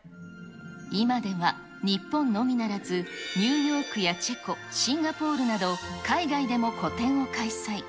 今では、日本のみならず、ニューヨークやチェコ、シンガポールなど、海外でも個展を開催。